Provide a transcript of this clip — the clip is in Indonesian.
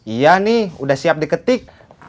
iya nih udah siap diketik